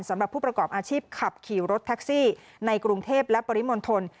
สำหรับผู้ประกอบอาชีพขับขี่รถแท็กซี่ในกรุงเทพและปริมณฑล